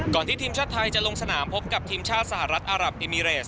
ที่ทีมชาติไทยจะลงสนามพบกับทีมชาติสหรัฐอารับเอมิเรส